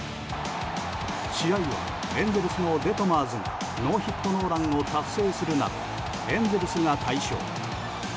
試合はエンゼルスのデトマーズがノーヒットノーランを達成するなどエンゼルスが大勝。